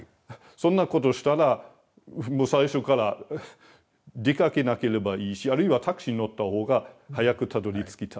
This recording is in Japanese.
そんなことしたらもう最初から出かけなければいいしあるいはタクシーに乗ったほうが早くたどりつきたい。